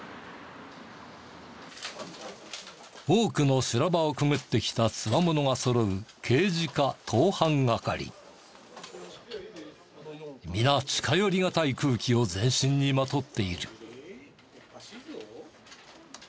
多くの修羅場をくぐってきたつわものがそろう皆近寄りがたい空気を全身にまとっている。